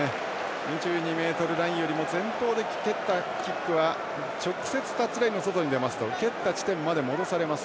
２２ｍラインよりも前方で蹴ったキックは直接タッチラインの外に出ますと蹴った地点まで戻されます。